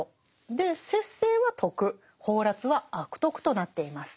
で節制は徳放埓は悪徳となっています。